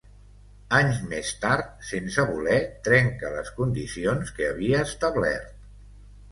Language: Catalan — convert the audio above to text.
Anys més tard, sense voler trenca les condicions que havia establert.